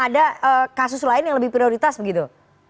ada kasus lain yang lebih prioritas begitu